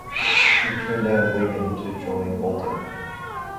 He turned down Wigan to join Bolton.